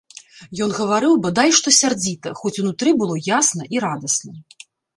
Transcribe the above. Ён гаварыў бадай што сярдзіта, хоць унутры было ясна і радасна.